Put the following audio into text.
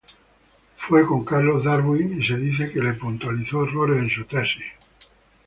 Fue con Charles Darwin y se dice que le puntualizó errores en sus tesis.